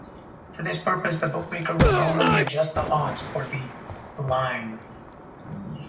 For this purpose, the bookmaker will normally adjust the odds or the "line".